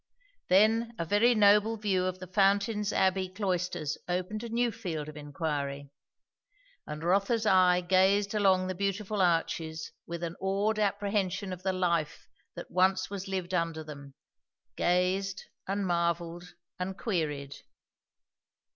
Then a very noble view of the Fountain's Abbey cloisters opened a new field of inquiry; and Rotha's eye gazed along the beautiful arches with an awed apprehension of the life that once was lived under them; gazed and marvelled and queried.